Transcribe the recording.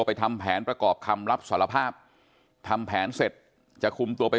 ทำแผนประกอบคำรับสารภาพทำแผนเสร็จจะคุมตัวไป